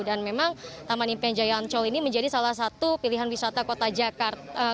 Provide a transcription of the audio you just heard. dan memang taman impian jaya ancol ini menjadi salah satu pilihan wisata kota jakarta